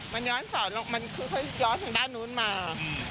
มันย้อนสอนมันคือเขาย้อนทางด้านนู้นมา